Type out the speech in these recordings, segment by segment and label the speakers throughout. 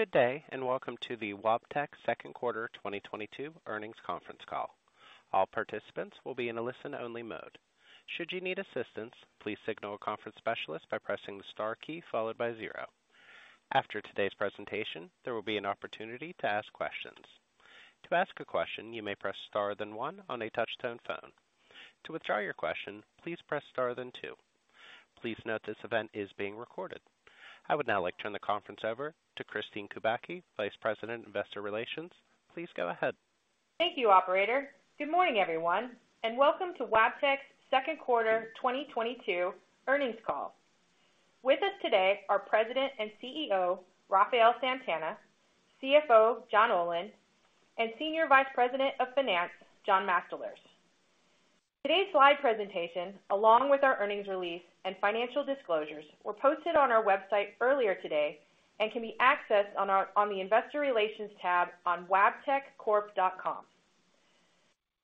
Speaker 1: Good day, and welcome to the Wabtec Q2 2022 earnings conference call. All participants will be in a listen-only mode. Should you need assistance, please signal a conference specialist by pressing the star key followed by zero. After today's presentation, there will be an opportunity to ask questions. To ask a question, you may press star then one on a touch-tone phone. To withdraw your question, please press star then two. Please note this event is being recorded. I would now like to turn the conference over to Kristine Kubacki, Vice President, Investor Relations. Please go ahead.
Speaker 2: Thank you, operator. Good morning, everyone, and welcome to Wabtec's Q2 2022 earnings call. With us today are President and Chief Executive Officer, Rafael Santana, Chief Financial Officer, John Olin, and Senior Vice President of Finance, John Mastalerz. Today's slide presentation, along with our earnings release and financial disclosures, were posted on our website earlier today and can be accessed on the investor relations tab on WabtecCorp.com.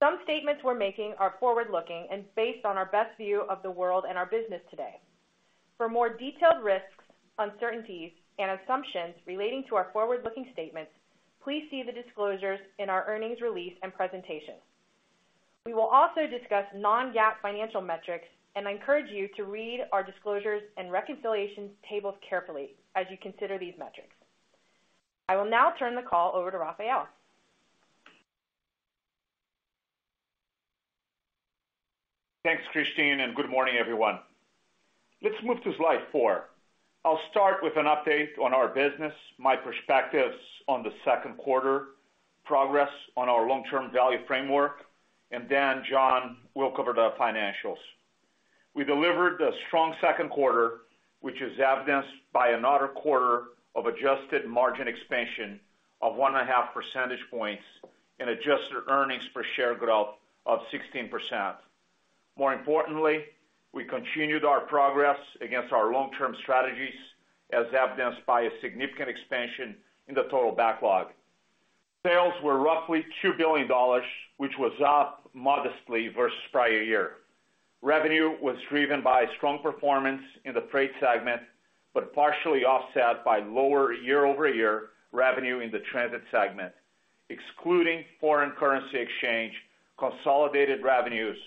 Speaker 2: Some statements we're making are forward-looking and based on our best view of the world and our business today. For more detailed risks, uncertainties and assumptions relating to our forward-looking statements, please see the disclosures in our earnings release and presentation. We will also discuss non-GAAP financial metrics, and I encourage you to read our disclosures and reconciliation tables carefully as you consider these metrics. I will now turn the call over to Rafael.
Speaker 3: Thanks, Kristine, and good morning, everyone. Let's move to slide four. I'll start with an update on our business, my perspectives on the Q2, progress on our long-term value framework, and then John will cover the financials. We delivered a strong Q2, which is evidenced by another quarter of adjusted margin expansion of 1.5 percentage points and adjusted earnings per share growth of 16%. More importantly, we continued our progress against our long-term strategies, as evidenced by a significant expansion in the total backlog. Sales were roughly $2 billion, which was up modestly versus prior year. Revenue was driven by strong performance in the freight segment, but partially offset by lower year-over-year revenue in the transit segment. Excluding foreign currency exchange, consolidated revenues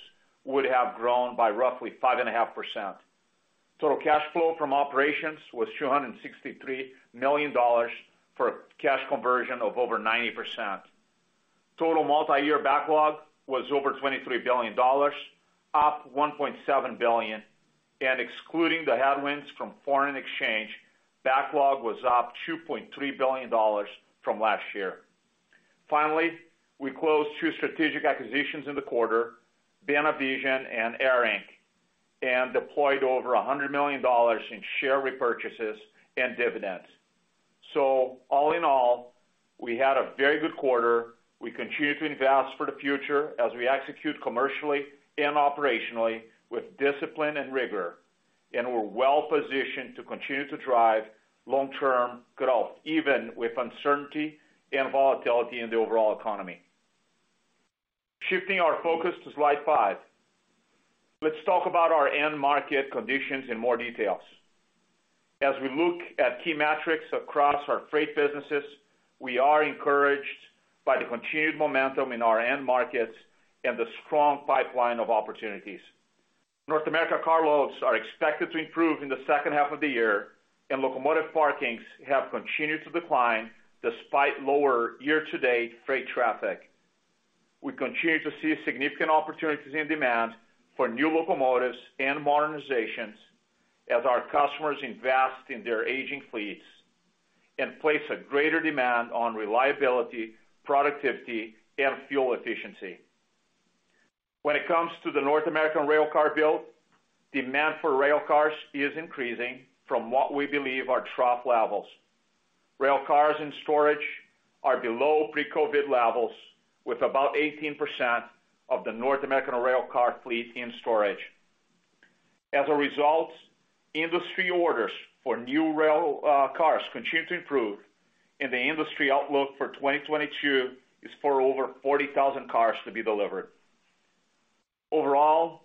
Speaker 3: would have grown by roughly 5.5%. Total cash flow from operations was $263 million for cash conversion of over 90%. Total multi-year backlog was over $23 billion, up $1.7 billion. Excluding the headwinds from foreign exchange, backlog was up $2.3 billion from last year. Finally, we closed =two strategic acquisitions in the quarter, Beena Vision and ARINC, and deployed over $100 million in share repurchases and dividends. All in all, we had a very good quarter. We continue to invest for the future as we execute commercially and operationally with discipline and rigor. We're well positioned to continue to drive long-term growth, even with uncertainty and volatility in the overall economy. Shifting our focus to slide five, let's talk about our end market conditions in more detail. As we look at key metrics across our freight businesses, we are encouraged by the continued momentum in our end markets and the strong pipeline of opportunities. North American car loads are expected to improve in the second half of the year, and locomotive parkings have continued to decline despite lower year-to-date freight traffic. We continue to see significant opportunities and demand for new locomotives and modernizations as our customers invest in their aging fleets and place a greater demand on reliability, productivity, and fuel efficiency. When it comes to the North American rail car build, demand for rail cars is increasing from what we believe are trough levels. Rail cars in storage are below pre-COVID levels, with about 18% of the North American rail car fleet in storage. As a result, industry orders for new rail cars continue to improve, and the industry outlook for 2022 is for over 40,000 cars to be delivered. Overall,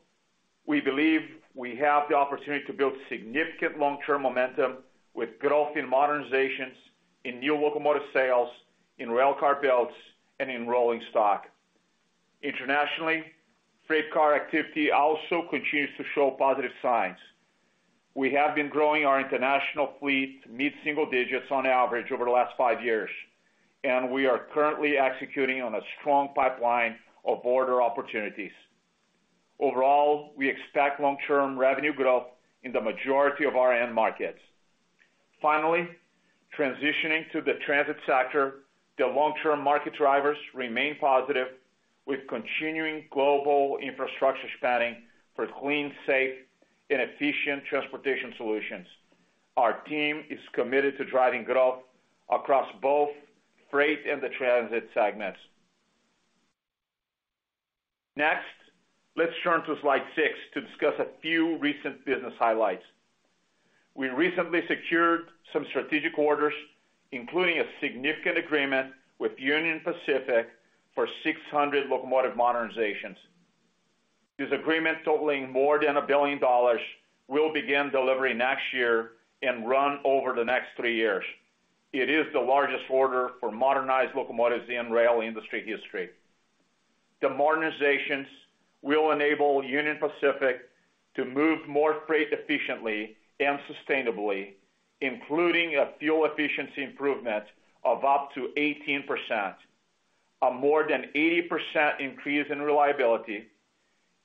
Speaker 3: we believe we have the opportunity to build significant long-term momentum with growth in modernizations, in new locomotive sales, in rail car builds, and in rolling stock. Internationally, freight car activity also continues to show positive signs. We have been growing our international fleet mid-single digits on average over the last five years, and we are currently executing on a strong pipeline of order opportunities. Overall, we expect long-term revenue growth in the majority of our end markets. Finally, transitioning to the transit sector, the long-term market drivers remain positive, with continuing global infrastructure spending for clean, safe, and efficient transportation solutions. Our team is committed to driving growth across both freight and the transit segments. Next, let's turn to slide six to discuss a few recent business highlights. We recently secured some strategic orders, including a significant agreement with Union Pacific for 600 locomotive modernizations. This agreement totaling more than $1 billion will begin delivery next year and run over the next three years. It is the largest order for modernized locomotives in rail industry history. The modernizations will enable Union Pacific to move more freight efficiently and sustainably, including a fuel efficiency improvement of up to 18%, a more than 80% increase in reliability,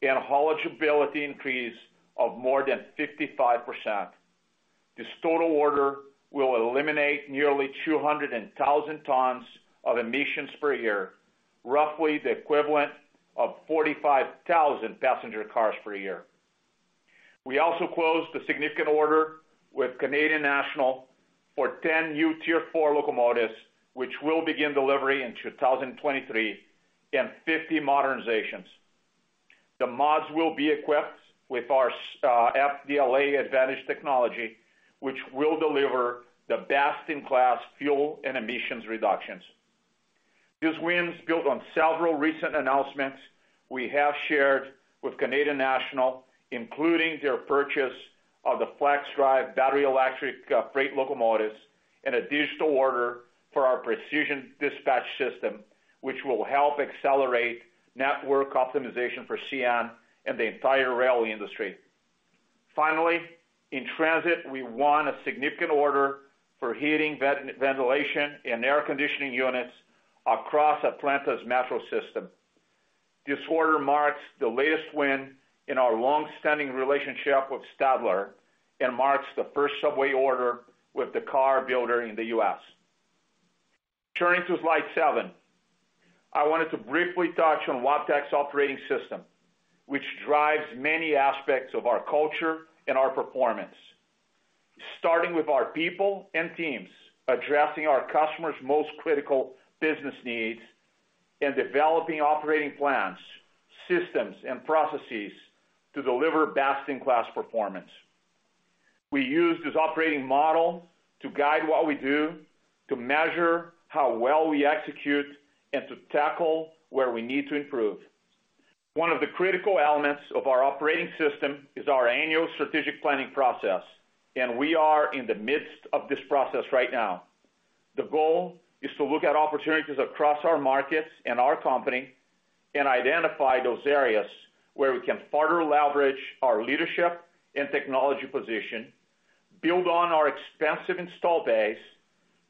Speaker 3: and a haulage ability increase of more than 55%. This total order will eliminate nearly 200,000 tons of emissions per year, roughly the equivalent of 45,000 passenger cars per year. We also closed a significant order with Canadian National for 10 new Tier 4 locomotives, which will begin delivery in 2023 and 50 modernizations. The mods will be equipped with our FDL Advantage technology, which will deliver the best in class fuel and emissions reductions. These wins build on several recent announcements we have shared with Canadian National, including their purchase of the FLXdrive battery electric freight locomotives and an additional order for our Precision Dispatch System, which will help accelerate network optimization for CN and the entire rail industry. Finally, in transit, we won a significant order for heating, ventilation, and air conditioning units across Atlanta's metro system. This order marks the latest win in our long-standing relationship with Stadler and marks the first subway order with the car builder in the U.S. Turning to slide seven. I wanted to briefly touch on Wabtec's operating system, which drives many aspects of our culture and our performance. Starting with our people and teams, addressing our customers' most critical business needs, and developing operating plans, systems, and processes to deliver best in class performance. We use this operating model to guide what we do, to measure how well we execute, and to tackle where we need to improve. One of the critical elements of our operating system is our annual strategic planning process, and we are in the midst of this process right now. The goal is to look at opportunities across our markets and our company and identify those areas where we can further leverage our leadership and technology position, build on our expansive installed base,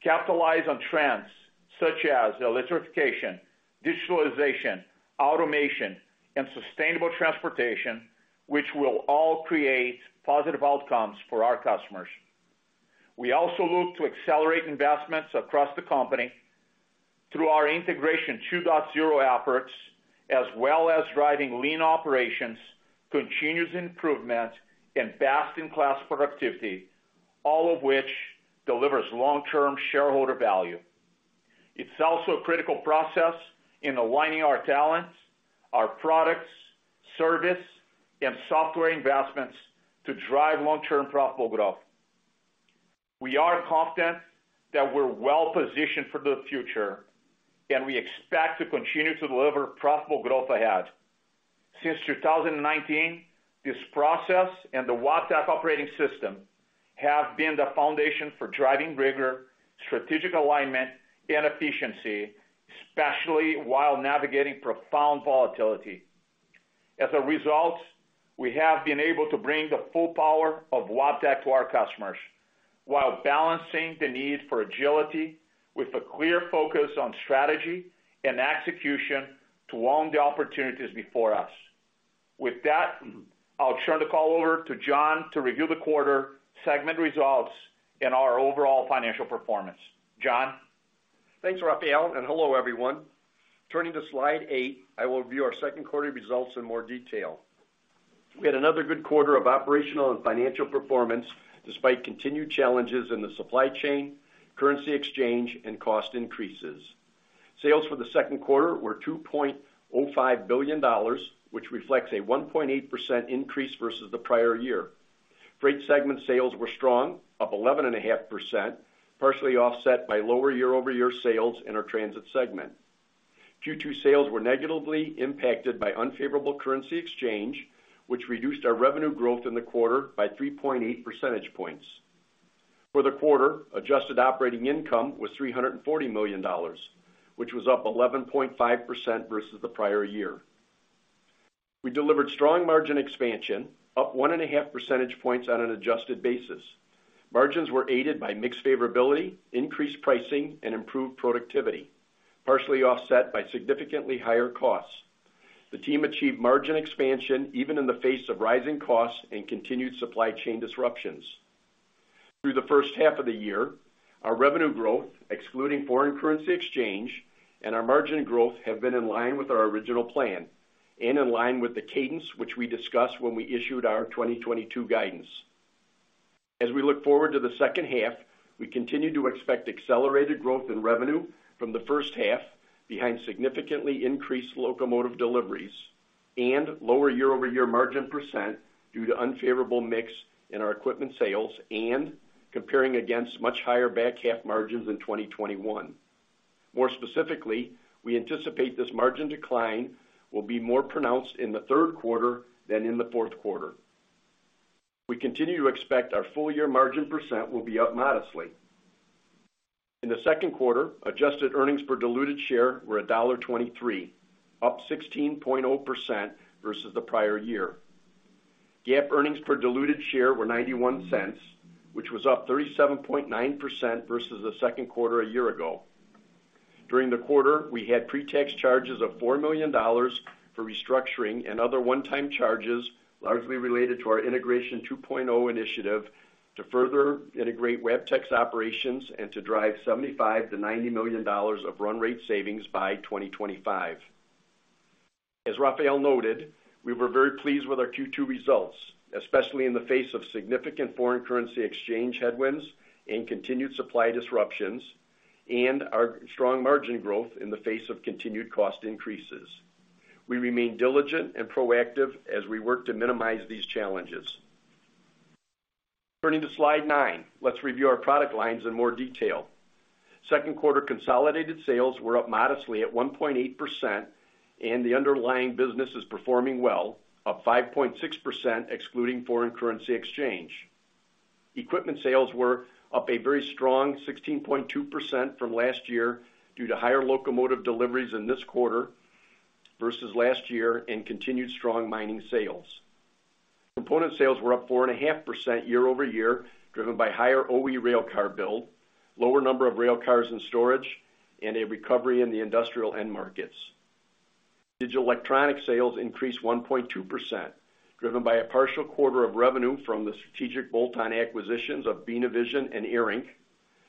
Speaker 3: capitalize on trends such as electrification, digitalization, automation, and sustainable transportation, which will all create positive outcomes for our customers. We also look to accelerate investments across the company through our Integration 2.0 efforts, as well as driving lean operations, continuous improvement, and best in class productivity, all of which delivers long-term shareholder value. It's also a critical process in aligning our talents, our products, service, and software investments to drive long-term profitable growth. We are confident that we're well positioned for the future, and we expect to continue to deliver profitable growth ahead. Since 2019, this process and the Wabtec operating system have been the foundation for driving rigor, strategic alignment, and efficiency, especially while navigating profound volatility. As a result, we have been able to bring the full power of Wabtec to our customers while balancing the need for agility with a clear focus on strategy and execution to own the opportunities before us. With that, I'll turn the call over to John to review the quarter, segment results, and our overall financial performance. John?
Speaker 4: Thanks, Rafael, and hello, everyone. Turning to slide eight, I will review our Q2 results in more detail. We had another good quarter of operational and financial performance despite continued challenges in the supply chain, currency exchange, and cost increases. Sales for the Q2 were $2.05 billion, which reflects a 1.8% increase versus the prior year. Freight segment sales were strong, up 11.5%, partially offset by lower year-over-year sales in our transit segment. Q2 sales were negatively impacted by unfavorable currency exchange, which reduced our revenue growth in the quarter by 3.8 percentage points. For the quarter, adjusted operating income was $340 million, which was up 11.5% versus the prior year. We delivered strong margin expansion, up 1.5 percentage points on an adjusted basis. Margins were aided by mix favorability, increased pricing, and improved productivity, partially offset by significantly higher costs. The team achieved margin expansion even in the face of rising costs and continued supply chain disruptions. Through the first half of the year, our revenue growth, excluding foreign currency exchange, and our margin growth have been in line with our original plan and in line with the cadence which we discussed when we issued our 2022 guidance. As we look forward to the second half, we continue to expect accelerated growth in revenue from the first half behind significantly increased locomotive deliveries and lower year-over-year margin percent due to unfavorable mix in our equipment sales and comparing against much higher back half margins in 2021. More specifically, we anticipate this margin decline will be more pronounced in the Q3 than in the Q4. We continue to expect our full year margin % will be up modestly. In the Q2, adjusted earnings per diluted share were $1.23, up 16.0% versus the prior year. GAAP earnings per diluted share were $0.91, which was up 37.9% versus the Q2 a year ago. During the quarter, we had pre-tax charges of $4 million for restructuring and other one-time charges, largely related to our Integration 2.0 initiative to further integrate Wabtec operations and to drive $75 million-$90 million of run rate savings by 2025. As Rafael noted, we were very pleased with our Q2 results, especially in the face of significant foreign currency exchange headwinds and continued supply disruptions, and our strong margin growth in the face of continued cost increases. We remain diligent and proactive as we work to minimize these challenges. Turning to slide nine, let's review our product lines in more detail. Q2 consolidated sales were up modestly at 1.8%, and the underlying business is performing well, up 5.6% excluding foreign currency exchange. Equipment sales were up a very strong 16.2% from last year due to higher locomotive deliveries in this quarter versus last year and continued strong mining sales. Component sales were up 4.5% year-over-year, driven by higher OE rail car build, lower number of rail cars in storage, and a recovery in the industrial end markets. Digital electronic sales increased 1.2%, driven by a partial quarter of revenue from the strategic bolt-on acquisitions of Beena Vision and ARINC,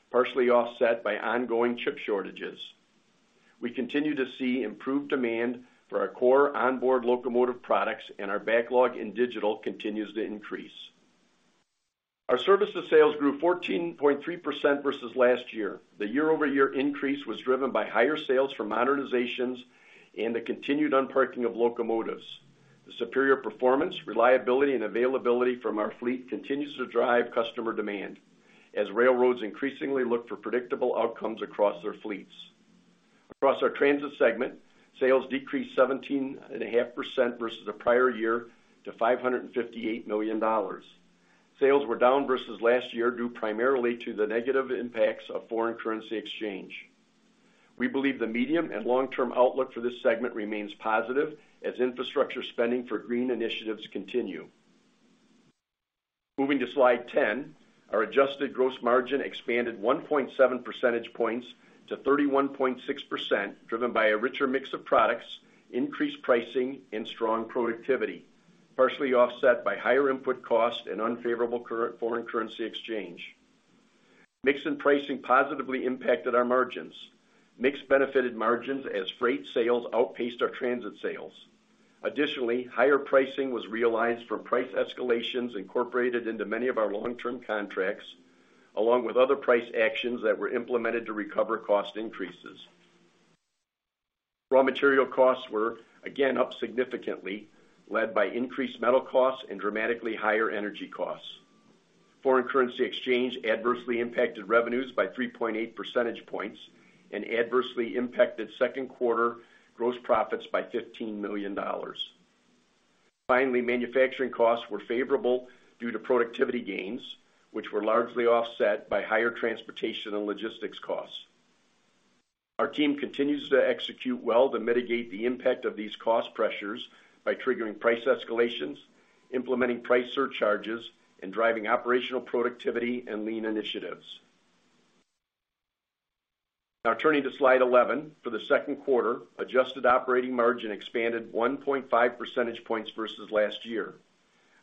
Speaker 4: partially offset by ongoing chip shortages. We continue to see improved demand for our core onboard locomotive products, and our backlog in digital continues to increase. Our services sales grew 14.3% versus last year. The year-over-year increase was driven by higher sales for modernizations and the continued unparking of locomotives. The superior performance, reliability, and availability from our fleet continues to drive customer demand as railroads increasingly look for predictable outcomes across their fleets. Across our transit segment, sales decreased 17.5% versus the prior year to $558 million. Sales were down versus last year due primarily to the negative impacts of foreign currency exchange. We believe the medium and long-term outlook for this segment remains positive as infrastructure spending for green initiatives continue. Moving to slide 10, our adjusted gross margin expanded 1.7 percentage points to 31.6%, driven by a richer mix of products, increased pricing, and strong productivity, partially offset by higher input costs and unfavorable current foreign currency exchange. Mix and pricing positively impacted our margins. Mix benefited margins as freight sales outpaced our transit sales. Additionally, higher pricing was realized from price escalations incorporated into many of our long-term contracts, along with other price actions that were implemented to recover cost increases. Raw material costs were again up significantly, led by increased metal costs and dramatically higher energy costs. Foreign currency exchange adversely impacted revenues by 3.8 percentage points and adversely impacted Q2 gross profits by $15 million. Finally, manufacturing costs were favorable due to productivity gains, which were largely offset by higher transportation and logistics costs. Our team continues to execute well to mitigate the impact of these cost pressures by triggering price escalations, implementing price surcharges, and driving operational productivity and lean initiatives. Now turning to slide 11, for the Q2, adjusted operating margin expanded 1.5 percentage points versus last year.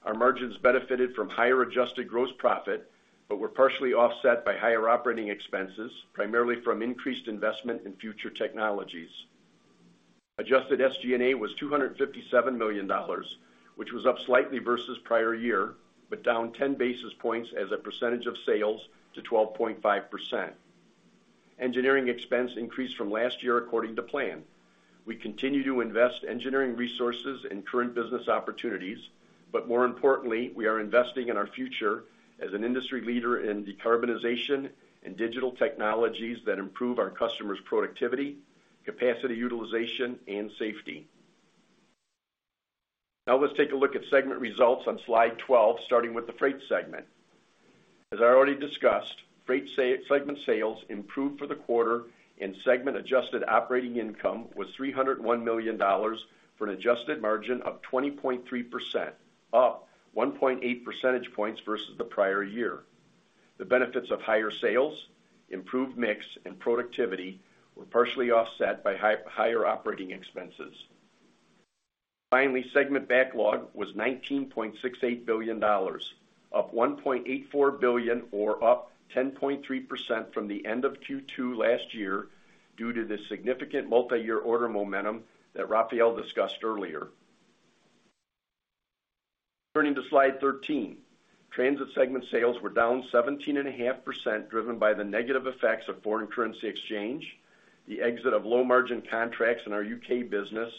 Speaker 4: Our margins benefited from higher adjusted gross profit, but were partially offset by higher operating expenses, primarily from increased investment in future technologies. Adjusted SG&A was $257 million, which was up slightly versus prior year, but down 10 basis points as a percentage of sales to 12.5%. Engineering expense increased from last year according to plan. We continue to invest engineering resources in current business opportunities, but more importantly, we are investing in our future as an industry leader in decarbonization and digital technologies that improve our customers' productivity, capacity utilization, and safety. Now let's take a look at segment results on slide 12, starting with the Freight segment. As I already discussed, Freight segment sales improved for the quarter, and segment adjusted operating income was $301 million for an adjusted margin of 20.3%, up 1.8 percentage points versus the prior year. The benefits of higher sales, improved mix, and productivity were partially offset by higher operating expenses. Finally, segment backlog was $19.68 billion, up $1.84 billion or up 10.3% from the end of Q2 last year due to the significant multi-year order momentum that Rafael discussed earlier. Turning to slide 13. Transit segment sales were down 17.5%, driven by the negative effects of foreign currency exchange, the exit of low-margin contracts in our U.K. business,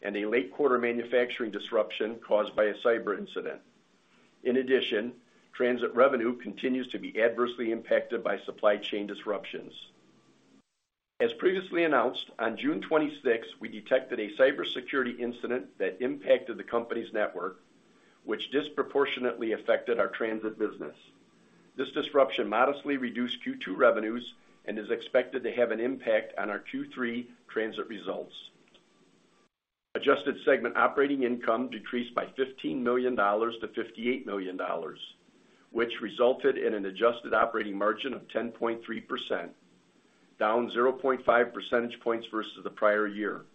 Speaker 4: and a late quarter manufacturing disruption caused by a cyber incident. In addition, transit revenue continues to be adversely impacted by supply chain disruptions. As previously announced, on June 26th, we detected a cybersecurity incident that impacted the company's network, which disproportionately affected our transit business. This disruption modestly reduced Q2 revenues and is expected to have an impact on our Q3 transit results. Adjusted segment operating income decreased by $15 million to $58 million, which resulted in an adjusted operating margin of 10.3%, down 0.5 percentage points versus the prior year.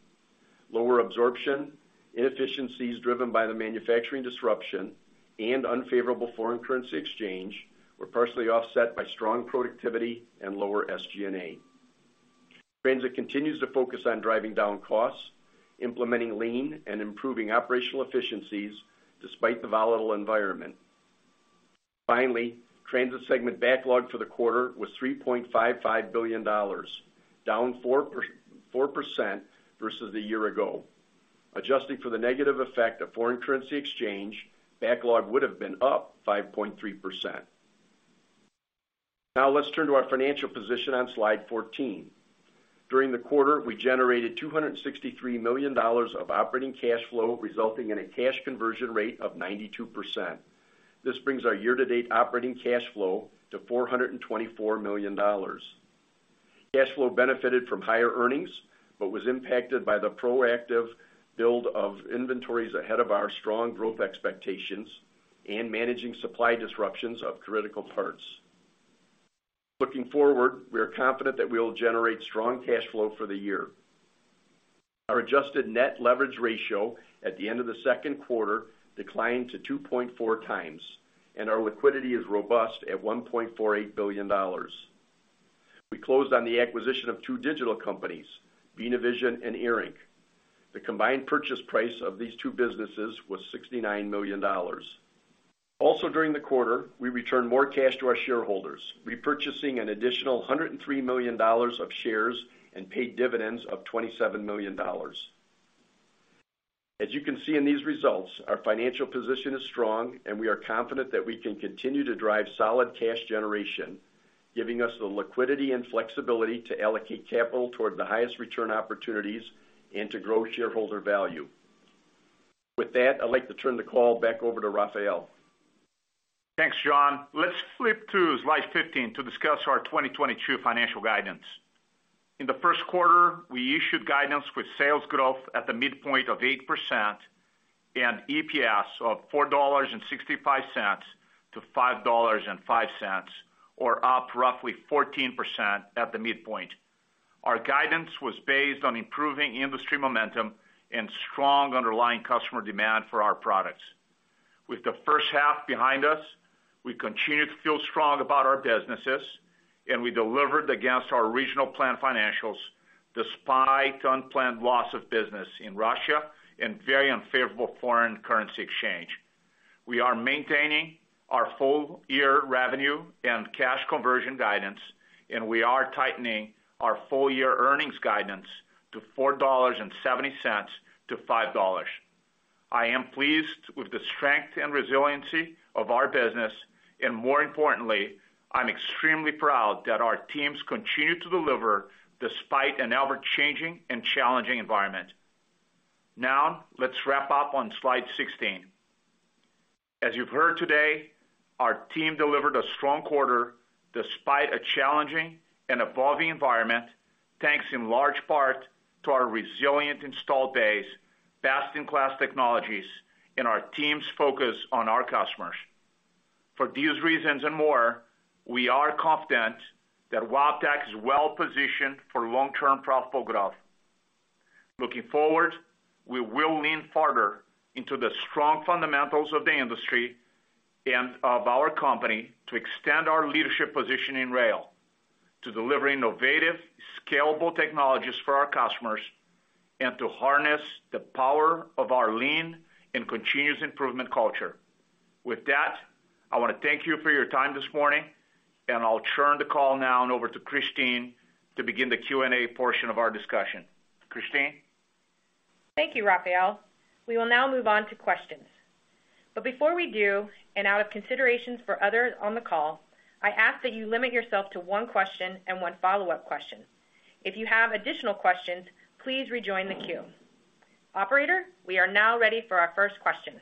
Speaker 4: Lower absorption, inefficiencies driven by the manufacturing disruption, and unfavorable foreign currency exchange were partially offset by strong productivity and lower SG&A. Transit continues to focus on driving down costs, implementing lean, and improving operational efficiencies despite the volatile environment. Transit segment backlog for the quarter was $3.55 billion, down 4% versus a year ago. Adjusting for the negative effect of foreign currency exchange, backlog would have been up 5.3%. Now let's turn to our financial position on slide 14. During the quarter, we generated $263 million of operating cash flow, resulting in a cash conversion rate of 92%. This brings our year-to-date operating cash flow to $424 million. Cash flow benefited from higher earnings, but was impacted by the proactive build of inventories ahead of our strong growth expectations and managing supply disruptions of critical parts. Looking forward, we are confident that we will generate strong cash flow for the year. Our adjusted net leverage ratio at the end of the Q2 declined to 2.4x, and our liquidity is robust at $1.48 billion. We closed on the acquisition of two digital companies, Beena Vision and ARINC. The combined purchase price of these two businesses was $69 million. Also during the quarter, we returned more cash to our shareholders, repurchasing an additional $103 million of shares and paid dividends of $27 million. As you can see in these results, our financial position is strong, and we are confident that we can continue to drive solid cash generation, giving us the liquidity and flexibility to allocate capital toward the highest return opportunities and to grow shareholder value. With that, I'd like to turn the call back over to Rafael.
Speaker 3: Thanks, John. Let's flip to slide 15 to discuss our 2022 financial guidance. In the Q1, we issued guidance with sales growth at the midpoint of 8% and EPS of $4.65 to $5.05, or up roughly 14% at the midpoint. Our guidance was based on improving industry momentum and strong underlying customer demand for our products. With the first half behind us, we continue to feel strong about our businesses, and we delivered against our regional plan financials despite unplanned loss of business in Russia and very unfavorable foreign currency exchange. We are maintaining our full year revenue and cash conversion guidance, and we are tightening our full year earnings guidance to $4.70 to $5. I am pleased with the strength and resiliency of our business, and more importantly, I'm extremely proud that our teams continue to deliver despite an ever-changing and challenging environment. Now, let's wrap up on slide 16. As you've heard today, our team delivered a strong quarter despite a challenging and evolving environment, thanks in large part to our resilient installed base, best-in-class technologies, and our team's focus on our customers. For these reasons and more, we are confident that Wabtec is well positioned for long-term profitable growth. Looking forward, we will lean farther into the strong fundamentals of the industry and of our company to extend our leadership position in rail, to deliver innovative, scalable technologies for our customers, and to harness the power of our lean and continuous improvement culture. With that, I wanna thank you for your time this morning, and I'll turn the call now over to Kristine to begin the Q&A portion of our discussion. Kristine?
Speaker 2: Thank you, Rafael. We will now move on to questions. Before we do, and out of considerations for others on the call, I ask that you limit yourself to one question and one follow-up question. If you have additional questions, please rejoin the queue. Operator, we are now ready for our first question.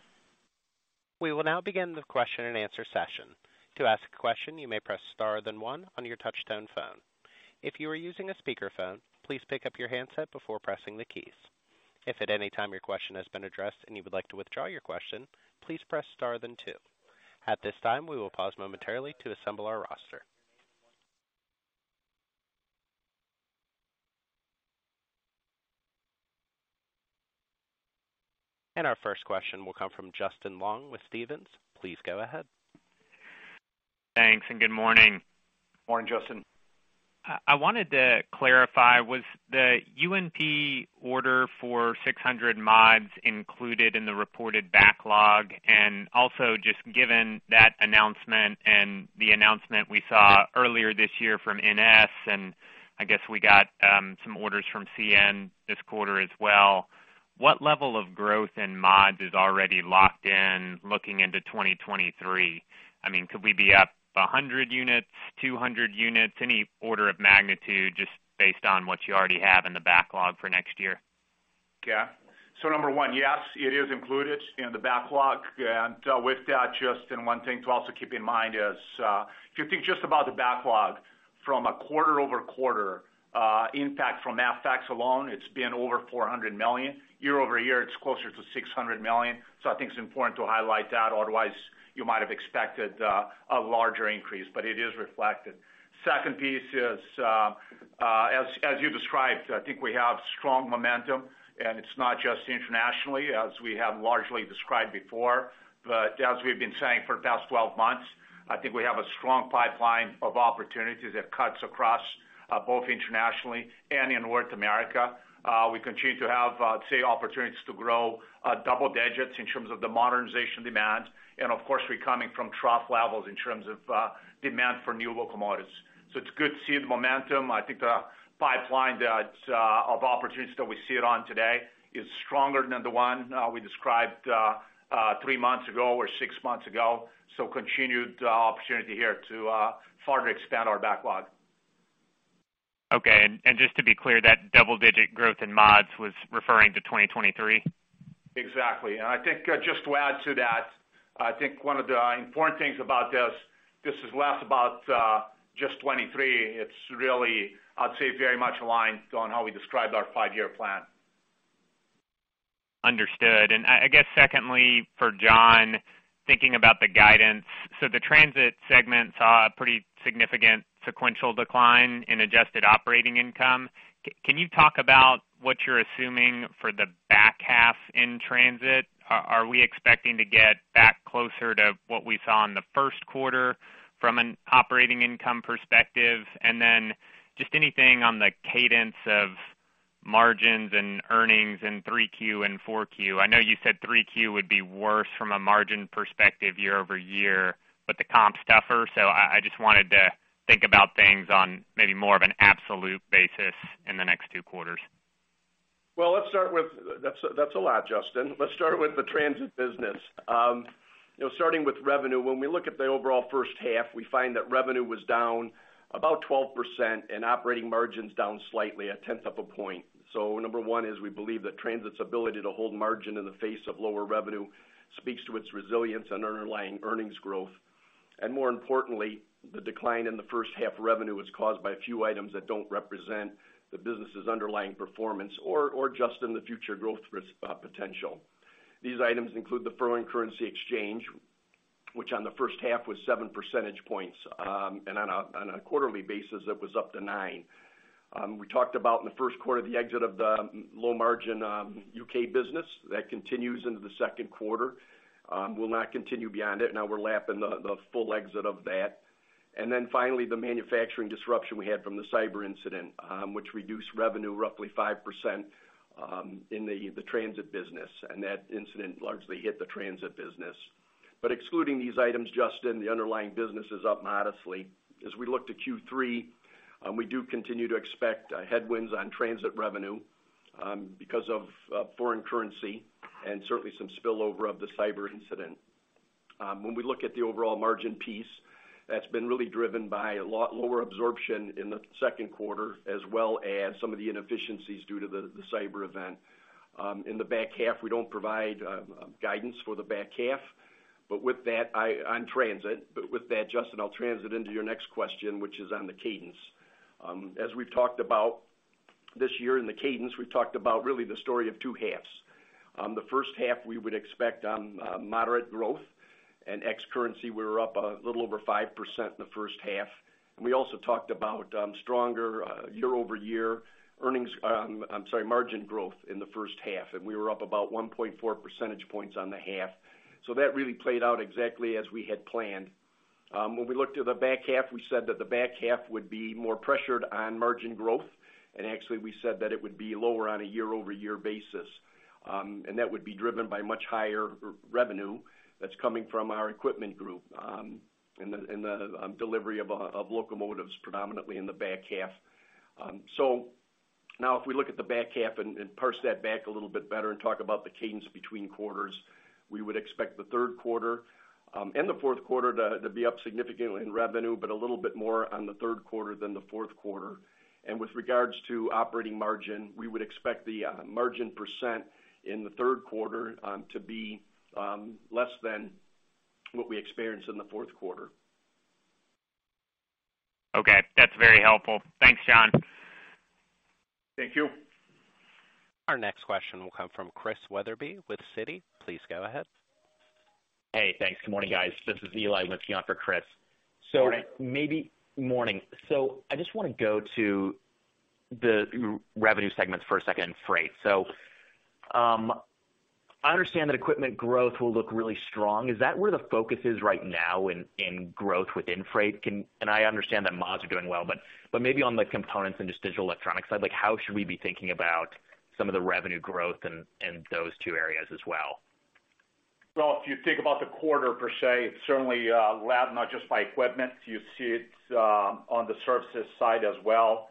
Speaker 1: We will now begin the question-and-answer session. To ask a question, you may press star then one on your touch-tone phone. If you are using a speakerphone, please pick up your handset before pressing the keys. If at any time your question has been addressed and you would like to withdraw your question, please press star then two. At this time, we will pause momentarily to assemble our roster. Our first question will come from Justin Long with Stephens. Please go ahead.
Speaker 5: Thanks, and good morning.
Speaker 3: Morning, Justin.
Speaker 5: I wanted to clarify, was the UNP order for 600 mods included in the reported backlog? Also just given that announcement and the announcement we saw earlier this year from NS, and I guess we got some orders from CN this quarter as well, what level of growth in mods is already locked in looking into 2023? I mean, could we be up 100 units, 200 units? Any order of magnitude just based on what you already have in the backlog for next year?
Speaker 3: Yeah. Number one, yes, it is included in the backlog. With that, Justin, one thing to also keep in mind is, if you think just about the backlog from a quarter-over-quarter, impact from FX alone, it's been over $400 million. Year-over-year, it's closer to $600 million. I think it's important to highlight that, otherwise, you might have expected, a larger increase, but it is reflected. Second piece is, as you described, I think we have strong momentum, and it's not just internationally as we have largely described before. As we've been saying for the past 12 months, I think we have a strong pipeline of opportunities that cuts across, both internationally and in North America. We continue to have, say, opportunities to grow, double digits in terms of the modernization demand. Of course, we're coming from trough levels in terms of, demand for new locomotives. It's good to see the momentum. I think the pipeline that's, of opportunities that we see it on today is stronger than the one, we described, three months ago or six months ago. Continued, opportunity here to, farther expand our backlog.
Speaker 5: Okay. Just to be clear, that double-digit growth in mods was referring to 2023?
Speaker 3: Exactly. I think, just to add to that, I think one of the important things about this is less about just 2023. It's really, I'd say, very much aligned on how we describe our five-year plan.
Speaker 5: Understood. I guess secondly, for John, thinking about the guidance, so the transit segment saw a pretty significant sequential decline in adjusted operating income. Can you talk about what you're assuming for the back half in transit? Are we expecting to get back closer to what we saw in the Q1 from an operating income perspective? And then just anything on the cadence of margins and earnings in Q3 and Q4. I know you said Q3 would be worse from a margin perspective year over year, but the comp's tougher. I just wanted to think about things on maybe more of an absolute basis in the next two quarters.
Speaker 4: That's a lot, Justin. Let's start with the transit business. You know, starting with revenue, when we look at the overall first half, we find that revenue was down about 12% and operating margins down slightly, a tenth of a point. Number one is we believe that transit's ability to hold margin in the face of lower revenue speaks to its resilience and underlying earnings growth. More importantly, the decline in the first half revenue was caused by a few items that don't represent the business's underlying performance or just in the future growth potential. These items include the foreign currency exchange, which on the first half was 7 percentage points. And on a quarterly basis, it was up to 9 percentage points. We talked about in the Q1 the exit of the low margin UK business. That continues into the Q2, will not continue beyond it. Now we're lapping the full exit of that. Finally, the manufacturing disruption we had from the cyber incident, which reduced revenue roughly 5% in the transit business, and that incident largely hit the transit business. Excluding these items, Justin, the underlying business is up modestly. As we look to Q3, we do continue to expect headwinds on transit revenue, because of foreign currency and certainly some spillover of the cyber incident. When we look at the overall margin piece, that's been really driven by a lot lower absorption in the Q2, as well as some of the inefficiencies due to the cyber event. In the back half, we don't provide guidance for the back half. With that, Justin, I'll transit into your next question, which is on the cadence. As we've talked about this year in the cadence, we've talked about really the story of two halves. The first half, we would expect moderate growth and ex currency, we were up a little over 5% in the first half. And we also talked about stronger year-over-year earnings, I'm sorry, margin growth in the first half, and we were up about 1.4 percentage points on the half. That really played out exactly as we had planned. When we looked at the back half, we said that the back half would be more pressured on margin growth. Actually, we said that it would be lower on a year-over-year basis. That would be driven by much higher revenue that's coming from our equipment group in the delivery of locomotives, predominantly in the back half. Now if we look at the back half and parse that back a little bit better and talk about the cadence between quarters, we would expect the Q3 and the Q4 to be up significantly in revenue, but a little bit more on the Q3 than the Q4. With regards to operating margin, we would expect the margin percent in the Q3 to be less than what we experienced in the Q4.
Speaker 5: Okay. That's very helpful. Thanks, John.
Speaker 3: Thank you.
Speaker 1: Our next question will come from Christian Wetherbee with Citi. Please go ahead.
Speaker 6: Hey, thanks. Good morning, guys. This is Eli with you for Chris.
Speaker 3: Morning.
Speaker 6: Morning. I just wanna go to the revenue segments for a second in freight. I understand that equipment growth will look really strong. Is that where the focus is right now in growth within freight? I understand that mods are doing well, but maybe on the components and just digital electronic side, like, how should we be thinking about some of the revenue growth in those two areas as well?
Speaker 3: Well, if you think about the quarter per se, it's certainly led not just by equipment. You see it on the services side as well.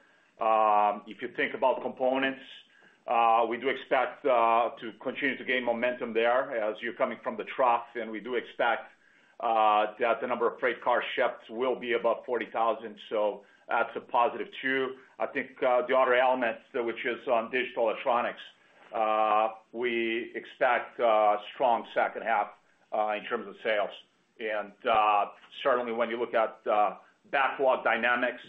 Speaker 3: If you think about components, we do expect to continue to gain momentum there as you're coming from the trough, and we do expect that the number of freight car shipments will be above 40,000, so that's a positive too. I think the other elements, which is on digital electronics, we expect a strong second half in terms of sales. Certainly when you look at backlog dynamics,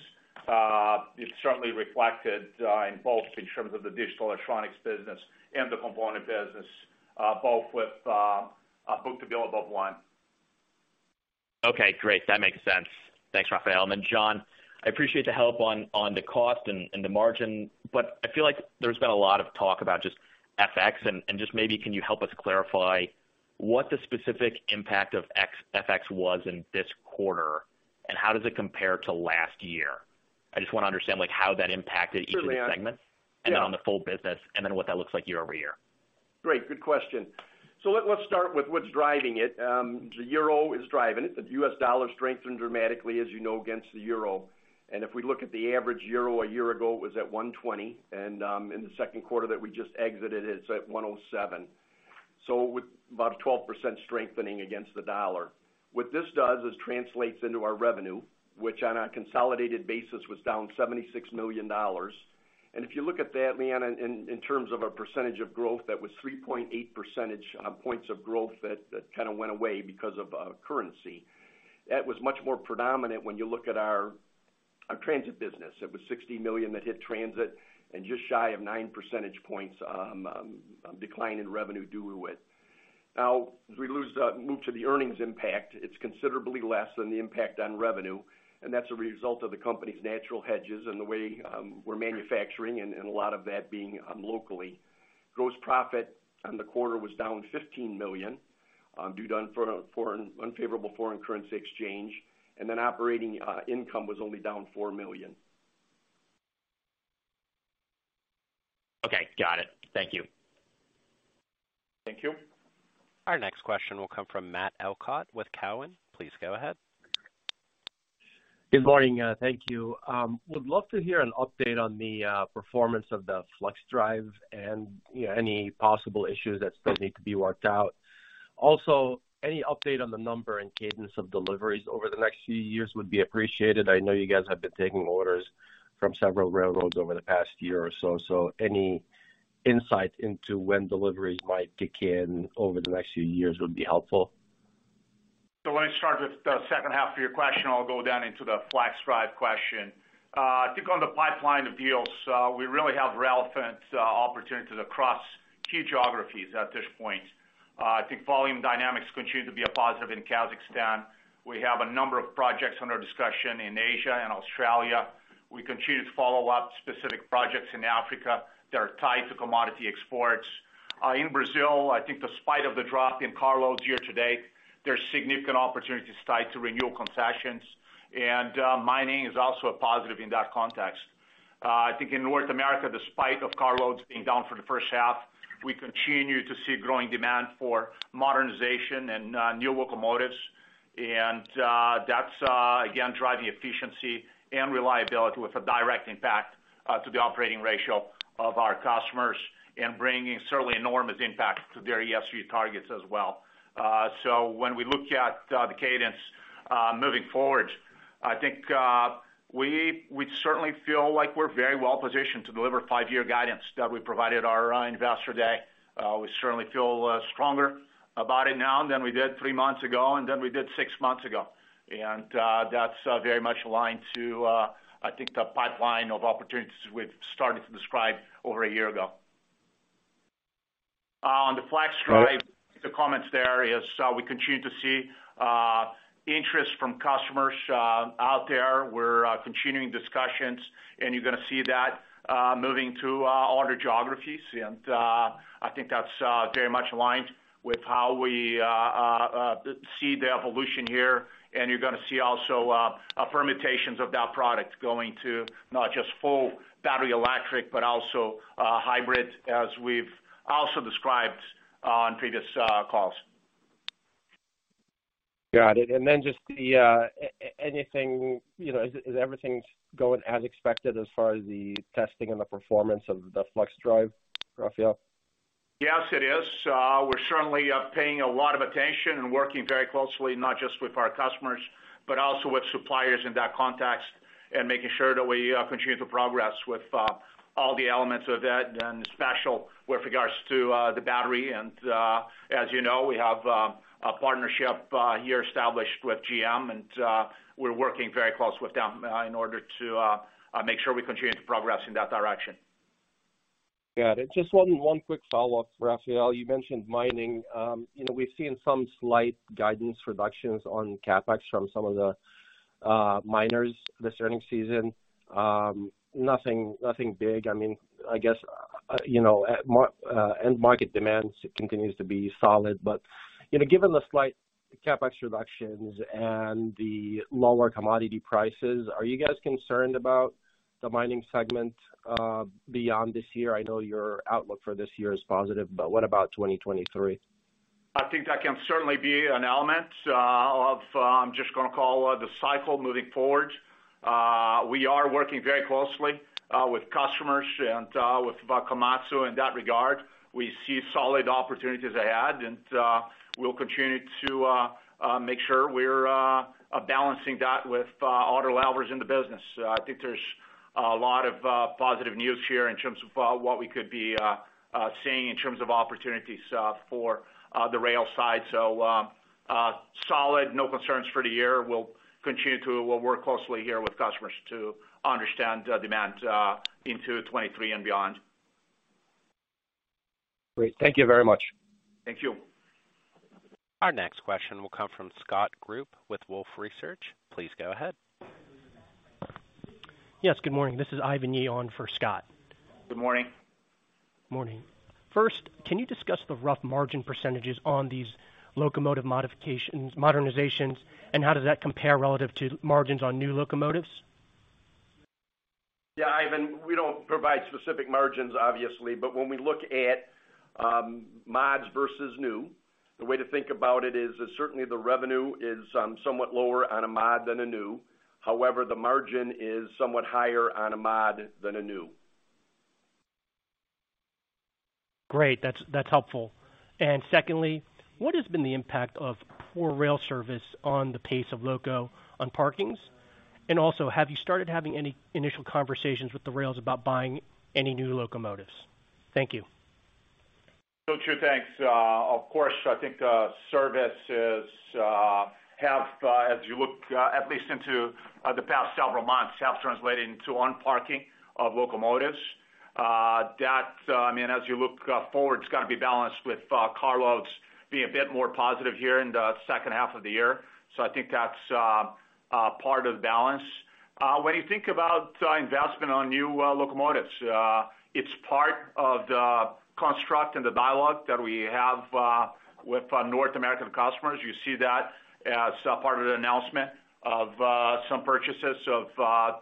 Speaker 3: it's certainly reflected in both in terms of the digital electronics business and the component business, both with book-to-bill above one.
Speaker 6: Okay, great. That makes sense. Thanks, Rafael. John, I appreciate the help on the cost and the margin, but I feel like there's been a lot of talk about just FX and just maybe can you help us clarify what the specific impact of FX was in this quarter, and how does it compare to last year? I just wanna understand, like, how that impacted each-
Speaker 4: Certainly.
Speaker 6: ...of the segments.
Speaker 4: Yeah.
Speaker 6: On the full business, and then what that looks like year-over-year.
Speaker 4: Great, good question. Let's start with what's driving it. The euro is driving it. The US dollar strengthened dramatically, as you know, against the euro. If we look at the average euro a year ago, it was at 1.20, and in the Q2 that we just exited, it's at 1.07. With about a 12% strengthening against the dollar. What this does is translates into our revenue, which on a consolidated basis was down $76 million. If you look at that, Eli, in terms of a percentage of growth, that was 3.8 percentage points of growth that kind of went away because of currency. That was much more predominant when you look at our transit business. It was $60 million that hit transit and just shy of 9 percentage points decline in revenue due to it. Now, as we move to the earnings impact, it's considerably less than the impact on revenue, and that's a result of the company's natural hedges and the way we're manufacturing and a lot of that being locally. Gross profit on the quarter was down $15 million due to unfavorable foreign currency exchange, and then operating income was only down $4 million.
Speaker 6: Okay, got it. Thank you.
Speaker 3: Thank you.
Speaker 1: Our next question will come from Matt Elkott with Cowen. Please go ahead.
Speaker 7: Good morning. Thank you. Would love to hear an update on the performance of the FLXdrive and any possible issues that still need to be worked out. Also, any update on the number and cadence of deliveries over the next few years would be appreciated. I know you guys have been taking orders from several railroads over the past year or so any insight into when deliveries might kick in over the next few years would be helpful.
Speaker 3: Let me start with the second half of your question. I'll go down into the FLXdrive question. I think on the pipeline of deals, we really have relevant opportunities across key geographies at this point. I think volume dynamics continue to be a positive in Kazakhstan. We have a number of projects under discussion in Asia and Australia. We continue to follow up specific projects in Africa that are tied to commodity exports. In Brazil, I think despite of the drop in carloads year to date, there's significant opportunities tied to renewal concessions, and mining is also a positive in that context. I think in North America, despite of carloads being down for the first half, we continue to see growing demand for modernization and new locomotives. That's again driving efficiency and reliability with a direct impact to the operating ratio of our customers and bringing certainly enormous impact to their ESG targets as well. When we look at the cadence moving forward, I think we certainly feel like we're very well positioned to deliver five-year guidance that we provided our Investor Day. We certainly feel stronger about it now than we did three months ago and than we did six months ago. That's very much aligned to I think the pipeline of opportunities we've started to describe over a year ago. On the FLXdrive, the comments there is we continue to see interest from customers out there. We're continuing discussions, and you're gonna see that moving to other geographies. I think that's very much aligned with how we see the evolution here. You're gonna see also permutations of that product going to not just full battery electric, but also hybrid, as we've also described on previous calls.
Speaker 7: Got it. Just anything, you know, is everything going as expected as far as the testing and the performance of the FLXdrive, Rafael?
Speaker 3: Yes, it is. We're certainly paying a lot of attention and working very closely, not just with our customers, but also with suppliers in that context and making sure that we continue to progress with all the elements of that and especially with regards to the battery. As you know, we have a partnership here established with General Motors, and we're working very closely with them in order to make sure we continue to progress in that direction.
Speaker 7: Got it. Just one quick follow-up, Rafael. You mentioned mining. You know, we've seen some slight guidance reductions on CapEx from some of the miners this earnings season. Nothing big. I mean, I guess you know, end market demand continues to be solid. Given the slight CapEx reductions and the lower commodity prices, are you guys concerned about the mining segment beyond this year? I know your outlook for this year is positive, but what about 2023?
Speaker 3: I think that can certainly be an element of just gonna call the cycle moving forward. We are working very closely with customers and with Komatsu in that regard. We see solid opportunities ahead, and we'll continue to make sure we're balancing that with other levers in the business. I think there's a lot of positive news here in terms of what we could be seeing in terms of opportunities for the rail side. Solid, no concerns for the year. We'll work closely here with customers to understand the demand into 2023 and beyond.
Speaker 7: Great. Thank you very much.
Speaker 3: Thank you.
Speaker 1: Our next question will come from Scott Group with Wolfe Research. Please go ahead.
Speaker 8: Yes, good morning. This is Ivan Yu on for Scott.
Speaker 3: Good morning.
Speaker 8: Morning. First, can you discuss the gross margin percentages on these locomotive modifications, modernizations, and how does that compare relative to margins on new locomotives?
Speaker 4: Yeah. Ivan, we don't provide specific margins, obviously. When we look at mods versus new, the way to think about it is certainly the revenue is somewhat lower on a mod than a new. However, the margin is somewhat higher on a mod than a new.
Speaker 8: Great. That's helpful. Secondly, what has been the impact of poor rail service on the pace of loco unparkings? Also, have you started having any initial conversations with the rails about buying any new locomotives? Thank you.
Speaker 3: True, thanks. Of course, I think services have, as you look at least into the past several months, translated into unparking of locomotives. That, I mean, as you look forward, it's gonna be balanced with carloads being a bit more positive here in the second half of the year. I think that's part of the balance. When you think about investment on new locomotives, it's part of the construct and the dialogue that we have with our North American customers. You see that as a part of the announcement of some purchases of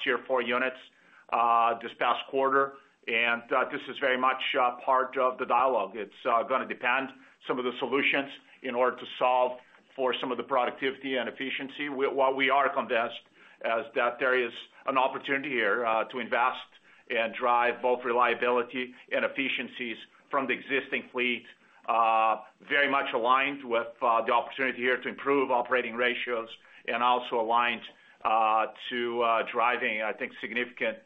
Speaker 3: Tier 4 units this past quarter. This is very much a part of the dialogue. It's gonna depend on some of the solutions in order to solve for some of the productivity and efficiency. What we are convinced is that there is an opportunity here to invest and drive both reliability and efficiencies from the existing fleet, very much aligned with the opportunity here to improve operating ratios, and also aligned to driving, I think, significant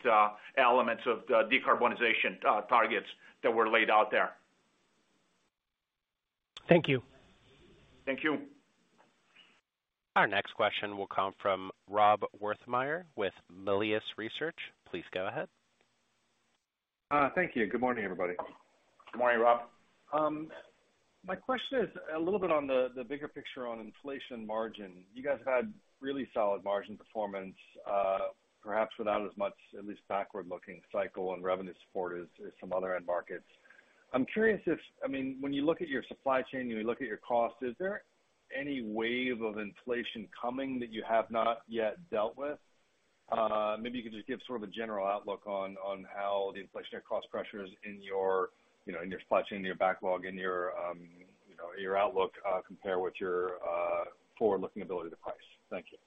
Speaker 3: elements of the decarbonization targets that were laid out there.
Speaker 8: Thank you.
Speaker 3: Thank you.
Speaker 1: Our next question will come from Rob Wertheimer with Melius Research. Please go ahead.
Speaker 9: Thank you. Good morning, everybody.
Speaker 3: Good morning, Rob.
Speaker 9: My question is a little bit on the bigger picture on inflation margin. You guys had really solid margin performance, perhaps without as much at least backward-looking cycle and revenue support as some other end markets. I'm curious. I mean, when you look at your supply chain, when you look at your cost, is there any wave of inflation coming that you have not yet dealt with? Maybe you could just give sort of a general outlook on how the inflationary cost pressures in your, you know, in your supply chain, in your backlog, in your, you know, your outlook, compare with your forward-looking ability to price. Thank you.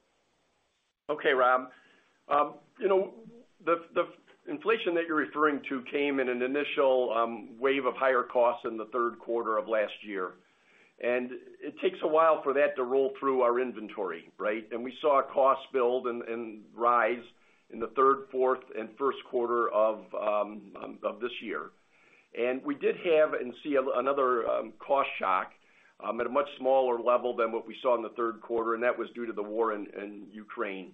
Speaker 4: Okay, Rob. You know, the inflation that you're referring to came in an initial wave of higher costs in the Q3 of last year. It takes a while for that to roll through our inventory, right? We saw costs build and rise in the third, fourth, and Q1 of this year. We did have and see another cost shock at a much smaller level than what we saw in the Q3, and that was due to the war in Ukraine.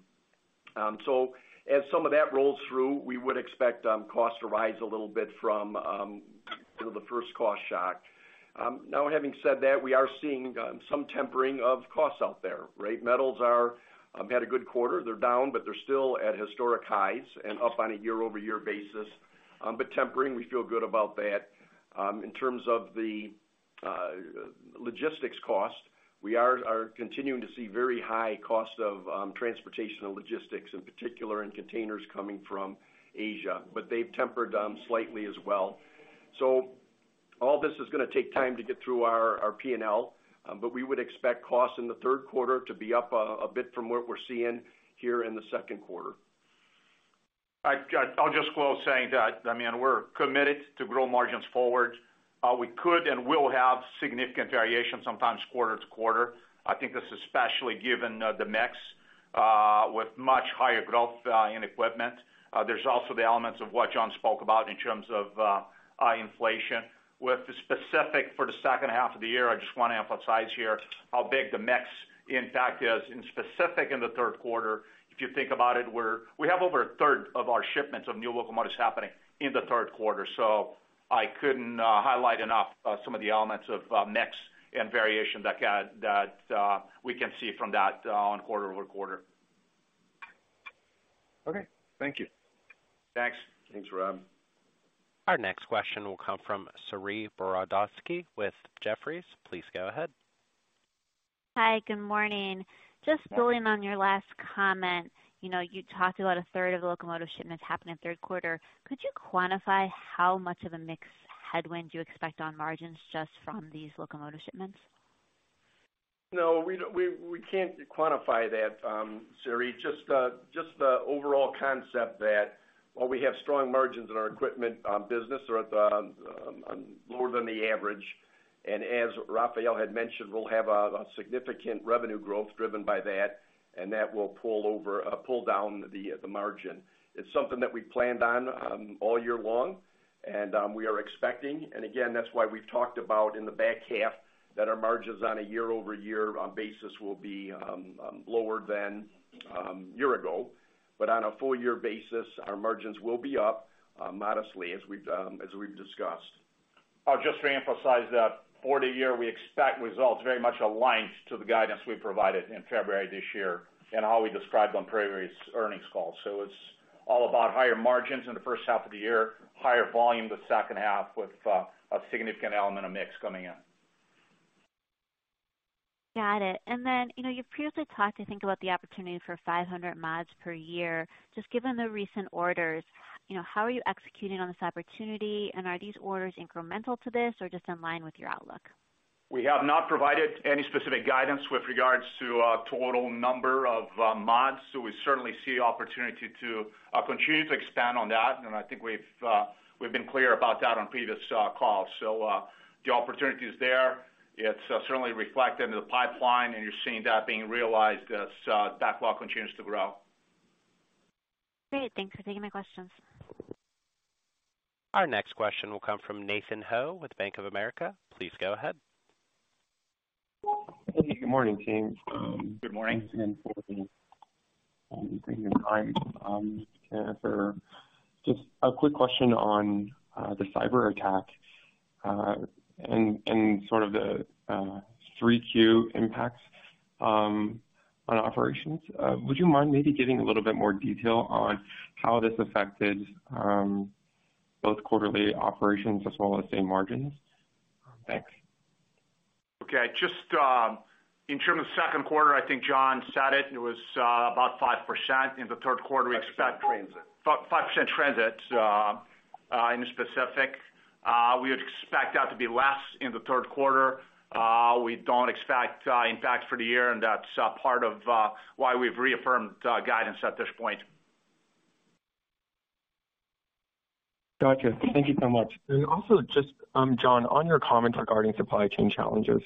Speaker 4: As some of that rolls through, we would expect costs to rise a little bit from you know, the first cost shock. Now having said that, we are seeing some tempering of costs out there, right? Metals had a good quarter. They're down, but they're still at historic highs and up on a year-over-year basis. Tempering, we feel good about that. In terms of the logistics cost, we are continuing to see very high cost of transportation and logistics, in particular in containers coming from Asia, but they've tempered slightly as well. All this is gonna take time to get through our P&L, but we would expect costs in the Q3 to be up a bit from what we're seeing here in the Q2.
Speaker 3: I'll just close saying that, I mean, we're committed to grow margins forward. We could and will have significant variation sometimes quarter-over-quarter. I think this, especially given the mix, with much higher growth in equipment. There's also the elements of what John spoke about in terms of inflation. With specifics for the second half of the year, I just wanna emphasize here how big the mix impact is, and specifically in the Q3, if you think about it, we have over a third of our shipments of new locomotives happening in the Q3. I can't highlight enough some of the elements of mix and variation that we can see from that on quarter-over-quarter.
Speaker 9: Okay. Thank you.
Speaker 3: Thanks.
Speaker 4: Thanks, Rob.
Speaker 1: Our next question will come from Sri Paravasthu with Jefferies. Please go ahead.
Speaker 10: Hi, good morning. Just building on your last comment, you know, you talked about a third of locomotive shipments happening in Q3. Could you quantify how much of a mix headwind you expect on margins just from these locomotive shipments?
Speaker 4: No, we can't quantify that, Sri, just the overall concept that while we have strong margins in our equipment business or at the lower than the average, and as Rafael had mentioned, we'll have a significant revenue growth driven by that, and that will pull down the margin. It's something that we planned on all year long and we are expecting. Again, that's why we've talked about in the back half that our margins on a year-over-year basis will be lower than year ago. On a full year basis, our margins will be up modestly as we've discussed.
Speaker 3: I'll just re-emphasize that for the year, we expect results very much aligned to the guidance we provided in February this year and how we described on previous earnings calls. It's all about higher margins in the first half of the year, higher volume the second half with a significant element of mix coming in.
Speaker 10: Got it. You know, you've previously talked, I think, about the opportunity for 500 mods per year. Just given the recent orders, you know, how are you executing on this opportunity, and are these orders incremental to this or just in line with your outlook?
Speaker 3: We have not provided any specific guidance with regards to total number of mods. We certainly see opportunity to continue to expand on that. I think we've been clear about that on previous calls. The opportunity is there. It's certainly reflected in the pipeline, and you're seeing that being realized as backlog continues to grow.
Speaker 10: Great. Thanks for taking my questions.
Speaker 1: Our next question will come from Nathan Ho with Bank of America. Please go ahead.
Speaker 11: Hey, good morning, team.
Speaker 3: Good morning.
Speaker 11: Thanks again for taking the time to answer. Just a quick question on the cyberattack and sort of the 3Q impacts on operations. Would you mind maybe giving a little bit more detail on how this affected both quarterly operations as well as, say, margins? Thanks.
Speaker 3: Okay. Just in terms of Q2, I think John said it. It was about 5%. In the Q3, we expect.
Speaker 4: 5% transit.
Speaker 3: 5% transit in specific. We would expect that to be less in the Q3. We don't expect impact for the year, and that's part of why we've reaffirmed guidance at this point.
Speaker 11: Gotcha. Thank you so much. Also just, John, on your comments regarding supply chain challenges,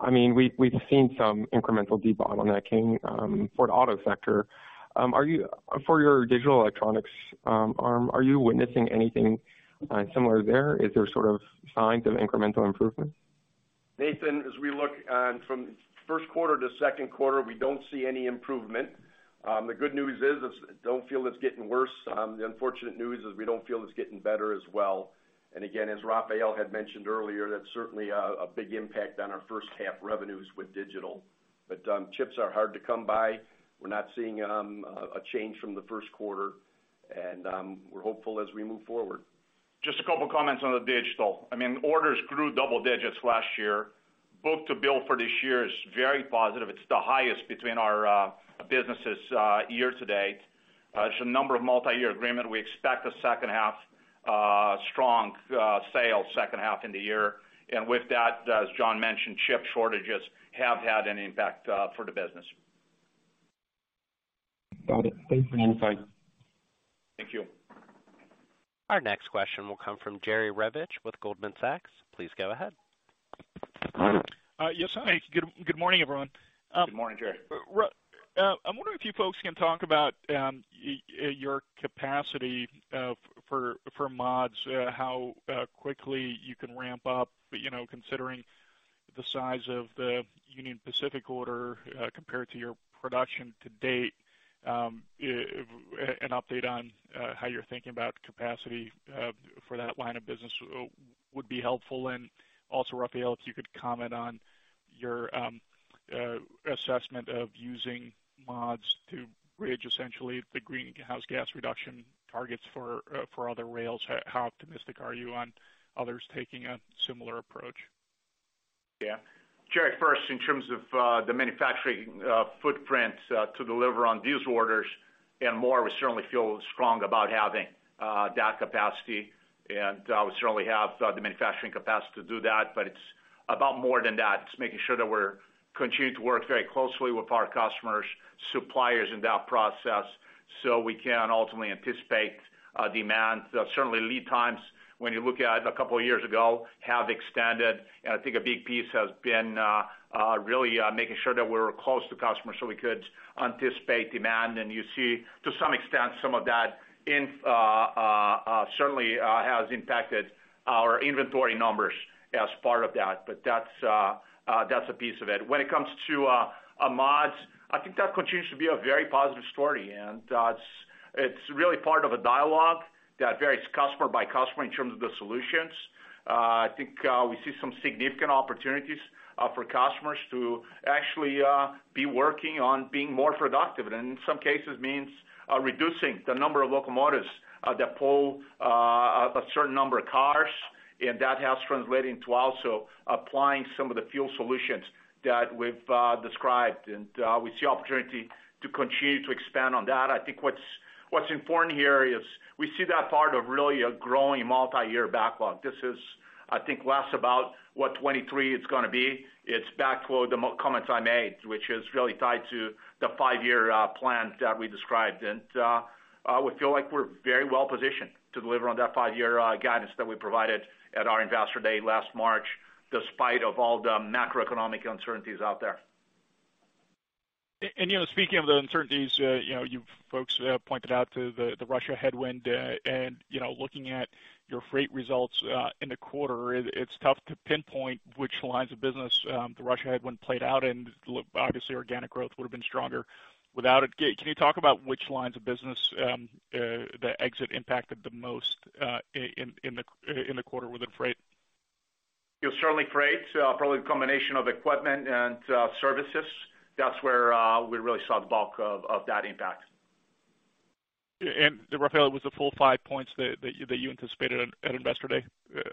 Speaker 11: I mean, we've seen some incremental debottlenecking for auto sector. Are you witnessing anything similar there? Is there sort of signs of incremental improvement?
Speaker 4: Nathan, as we look from Q1 to Q2, we don't see any improvement. The good news is we don't feel it's getting worse. The unfortunate news is we don't feel it's getting better as well. Again, as Rafael had mentioned earlier, that's certainly a big impact on our first half revenues with digital. Chips are hard to come by. We're not seeing a change from the Q1, and we're hopeful as we move forward.
Speaker 3: Just a couple comments on the digital. I mean, orders grew double digits last year. Book to bill for this year is very positive. It's the highest between our businesses year to date. There's a number of multi-year agreement. We expect a second half strong sales second half in the year. With that, as John mentioned, chip shortages have had an impact for the business.
Speaker 11: Got it. Thanks for the insight.
Speaker 3: Thank you.
Speaker 1: Our next question will come from Jerry Revich with Goldman Sachs. Please go ahead.
Speaker 12: Yes, hi. Good morning, everyone.
Speaker 3: Good morning, Jerry.
Speaker 12: I'm wondering if you folks can talk about your capacity for mods, how quickly you can ramp up, you know, considering the size of the Union Pacific order compared to your production to date. An update on how you're thinking about capacity for that line of business would be helpful. Also, Rafael, if you could comment on your assessment of using mods to bridge essentially the greenhouse gas reduction targets for other rails. How optimistic are you on others taking a similar approach?
Speaker 3: Yeah. Jerry, first, in terms of the manufacturing footprint to deliver on these orders and more, we certainly feel strong about having that capacity. We certainly have the manufacturing capacity to do that, but it's about more than that. It's making sure that we're continuing to work very closely with our customers, suppliers in that process, so we can ultimately anticipate demand. Certainly lead times, when you look at a couple of years ago, have extended, and I think a big piece has been really making sure that we're close to customers so we could anticipate demand. You see to some extent some of that certainly has impacted our inventory numbers as part of that. That's a piece of it. When it comes to mods, I think that continues to be a very positive story, and it's really part of a dialogue that varies customer by customer in terms of the solutions. I think we see some significant opportunities for customers to actually be working on being more productive, and in some cases means reducing the number of locomotives that pull a certain number of cars. That translates to also applying some of the fuel solutions that we've described, and we see opportunity to continue to expand on that. I think what's important here is we see that part of really a growing multi-year backlog. This is, I think, less about what 2023 is gonna be. It's backlog, the comments I made, which is really tied to the five-year plan that we described. We feel like we're very well positioned to deliver on that five-year guidance that we provided at our Investor Day last March, despite of all the macroeconomic uncertainties out there.
Speaker 12: You know, speaking of the uncertainties, you know, you folks pointed out the Russia headwind, and you know, looking at your freight results in the quarter, it's tough to pinpoint which lines of business the Russia headwind played out in. Obviously, organic growth would have been stronger without it. Can you talk about which lines of business the exit impacted the most in the quarter within freight?
Speaker 3: Yeah, certainly freight, probably a combination of equipment and services. That's where we really saw the bulk of that impact.
Speaker 12: Rafael, it was the full 5 points that you anticipated at Investor Day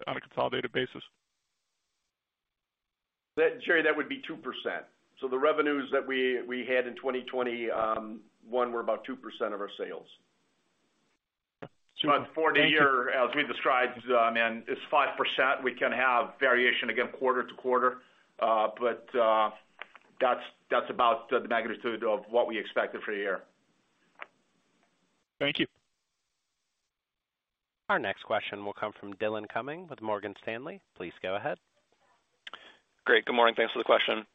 Speaker 12: on a consolidated basis.
Speaker 3: Jerry, that would be 2%. The revenues that we had in 2021 were about 2% of our sales. For the year, as we described, it's 5%, we can have variation again quarter to quarter. That's about the magnitude of what we expected for the year.
Speaker 12: Thank you.
Speaker 1: Our next question will come from Dillon Cummins with Morgan Stanley. Please go ahead.
Speaker 13: Great. Good morning. Thanks for the question.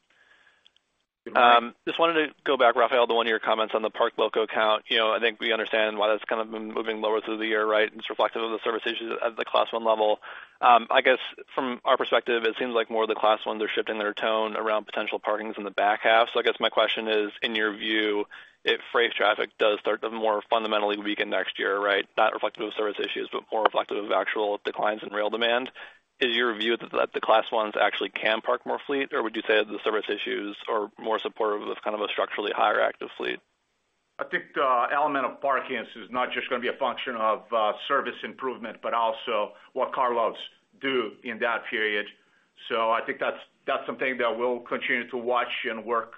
Speaker 13: Just wanted to go back, Rafael, to one of your comments on the parked loco count. You know, I think we understand why that's kind of been moving lower through the year, right? It's reflective of the service issues at the Class I level. I guess from our perspective, it seems like more of the Class I's are shifting their tone around potential parkings in the back half. I guess my question is, in your view, if freight traffic does start to more fundamentally weaken next year, right? Not reflective of service issues, but more reflective of actual declines in rail demand. Is your view that the Class I's actually can park more fleet, or would you say the service issues are more supportive of kind of a structurally higher active fleet?
Speaker 3: I think the element of parkings is not just gonna be a function of service improvement, but also what carloads do in that period. I think that's something that we'll continue to watch and work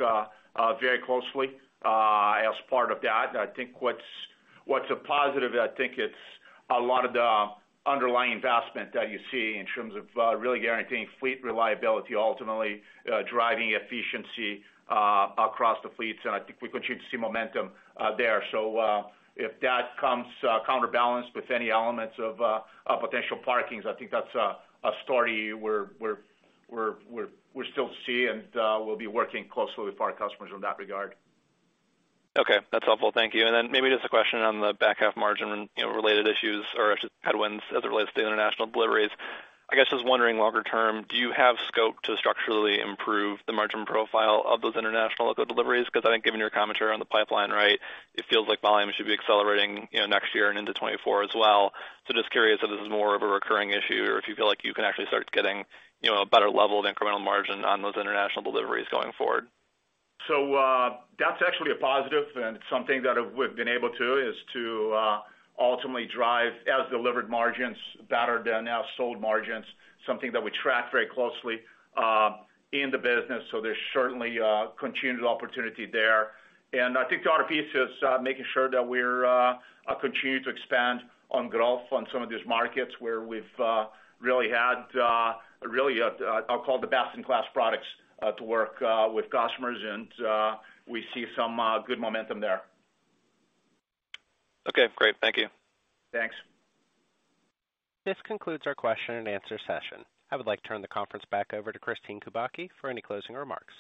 Speaker 3: very closely as part of that. I think what's a positive, I think it's a lot of the underlying investment that you see in terms of really guaranteeing fleet reliability, ultimately driving efficiency across the fleets. I think we continue to see momentum there. If that comes counterbalanced with any elements of potential parkings, I think that's a story we're still seeing and we'll be working closely with our customers in that regard.
Speaker 13: Okay, that's helpful. Thank you. Maybe just a question on the back half margin, you know, related issues or headwinds as it relates to international deliveries. I guess I was wondering longer term, do you have scope to structurally improve the margin profile of those international loco deliveries? Because I think given your commentary on the pipeline, right, it feels like volume should be accelerating, you know, next year and into 2024 as well. Just curious if this is more of a recurring issue or if you feel like you can actually start getting, you know, a better level of incremental margin on those international deliveries going forward.
Speaker 3: That's actually a positive, and it's something that we've been able to ultimately drive as-delivered margins better than as-sold margins, something that we track very closely in the business. There's certainly a continued opportunity there. I think the other piece is making sure that we continue to expand our growth in some of these markets where we've really had, I'll call the best-in-class products to work with customers and we see some good momentum there.
Speaker 13: Okay, great. Thank you.
Speaker 3: Thanks.
Speaker 1: This concludes our Q&A session. I would like to turn the conference back over to Kristine Kubacki for any closing remarks.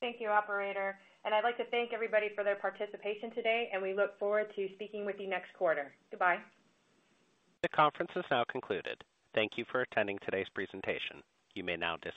Speaker 2: Thank you, operator. I'd like to thank everybody for their participation today, and we look forward to speaking with you next quarter. Goodbye.
Speaker 1: The conference is now concluded. Thank you for attending today's presentation. You may now disconnect.